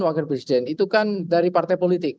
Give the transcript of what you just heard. wakil presiden itu kan dari partai politik